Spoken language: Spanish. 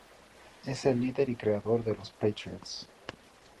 Es el líder y creador de Los Patriots.